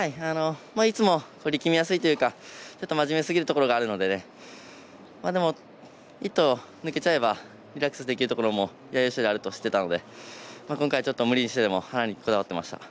いつも力みやすいというか真面目すぎるところがあるのででも１頭、抜けちゃえばリラックスできるところがあると知っていたので今回、無理してでもハナにこだわってました。